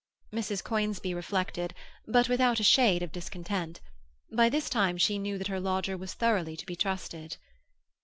Mrs. Conisbee reflected, but without a shade of discontent. By this time she knew that her lodger was thoroughly to be trusted.